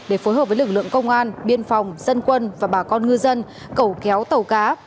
để phối hợp với lực lượng công an biên phòng dân quân và bà con ngư dân cẩu kéo tàu cá